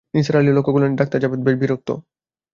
নিসার আলি লক্ষ করলেন ডঃ জাবেদ বেশ বিরক্ত।